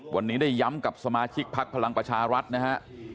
วันนี้ได้ย้ำกับสมาชิกพักพลังประชารัฐนะฮะ